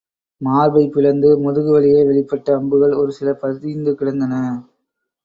மார்பைப் பிளந்து முதுகு வழியே வெளிப்பட்ட அம்புகள் ஒரு சில பதிந்து கிடந்தன.